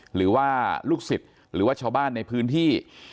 หรือว่าลูกศิษย์หรือว่าชาวบ้านในพื้นที่